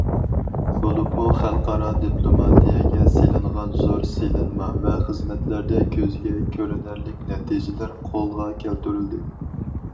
بولۇپمۇ خەلقئارا دىپلوماتىيەگە سېلىنغان زور سېلىنما ۋە خىزمەتلەردە كۆزگە كۆرۈنەرلىك نەتىجىلەر قولغا كەلتۈرۈلدى.